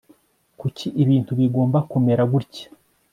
kuki ibintu bigomba kumera gutya